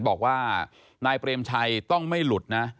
บอกว่านายเปรมชัยต้องไม่หลุดนะ